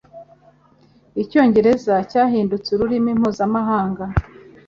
Icyongereza cyahindutse ururimi mpuzamahanga